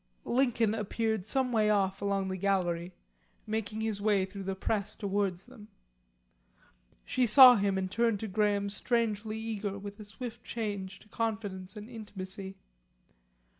Lincoln appeared some way off along the gallery, making his way through the press towards them. She saw him and turned to Graham strangely eager, with a swift change to confidence and intimacy.